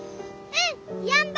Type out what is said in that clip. うん。